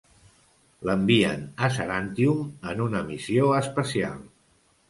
L'envien a Sarantium en una missió especial.